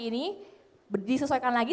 ini disesuaikan lagi